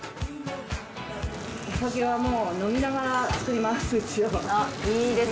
お酒はもう飲みながら作りますうちは。